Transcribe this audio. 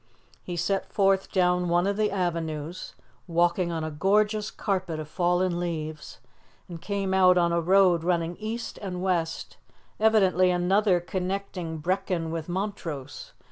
He set forth down one of the avenues, walking on a gorgeous carpet of fallen leaves, and came out on a road running east and west, evidently another connecting Brechin with Montrose.